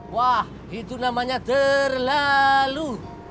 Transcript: wah itu namanya terlalu